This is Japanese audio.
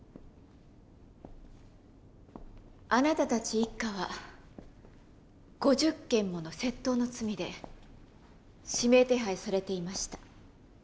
あなたたち一家は５０件もの窃盗の罪で指名手配されていました。